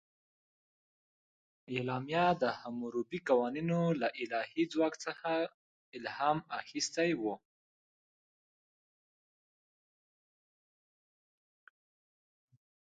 اعلامیه د حموربي قوانینو له الهي ځواک الهام اخیستی و.